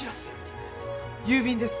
郵便です。